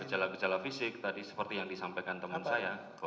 gejala gejala fisik tadi seperti yang disampaikan teman saya